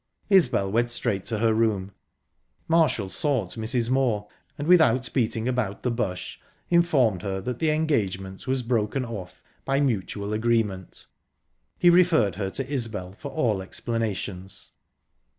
Isbel went straight to her room. Marshall sought Mrs. Moor, and, without beating around the bush, informed her that the engagement was broken off, by mutual agreement. He referred her to Isbel for all explanations.